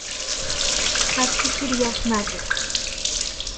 Cyclopedia of Magic.